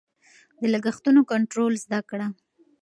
د لګښتونو کنټرول زده کړه.